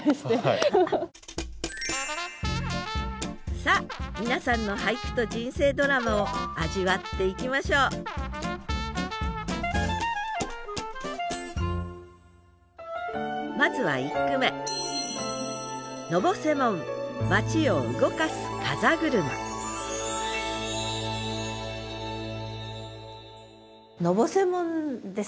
さあ皆さんの俳句と人生ドラマを味わっていきましょうまずは１句目「のぼせもん」ですね。